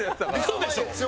嘘でしょ？